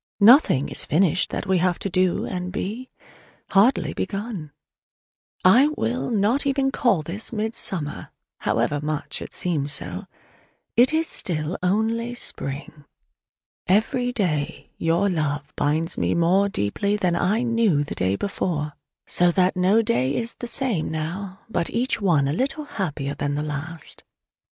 Nothing is finished that we have to do and be: hardly begun! I will not call even this "midsummer," however much it seems so: it is still only spring. Every day your love binds me more deeply than I knew the day before: so that no day is the same now, but each one a little happier than the last.